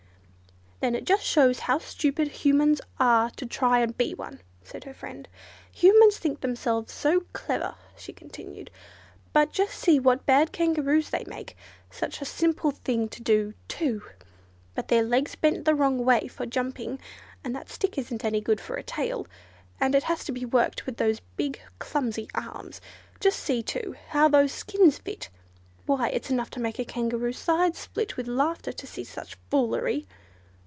"Then it just shows how stupid Humans are to try and be one," said her friend. Humans think themselves so clever," she continued, "but just see what bad Kangaroos they make—such a simple thing to do, too! But their legs bend the wrong way for jumping, and that stick isn't any good for a tail, and it has to be worked with those big, clumsy arms. Just see, too, how those skins fit! Why it's enough to make a Kangaroo's sides split with laughter to see such foolery!"